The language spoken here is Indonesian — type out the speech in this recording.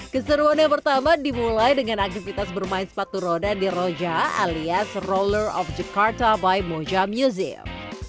keseruan yang pertama dimulai dengan aktivitas bermain sepatu roda di roja alias roller of jakarta by moja music